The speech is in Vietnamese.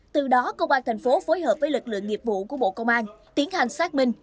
từ đó công an thành phố phối hợp với lực lượng nghiệp vụ của bộ công an tiến hành xác minh